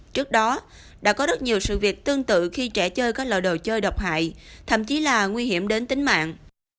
trước đó đã có rất nhiều sự việc tương tự khi trẻ chơi các loại đồ chơi độc hại thậm chí là nguy hiểm đến tính mạng